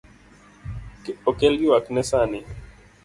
Okel yuakne sani